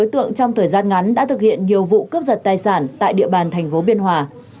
trong thời gian ngắn đã thực hiện nhiều vụ cấp giật tài sản tại địa bàn tp biên hòa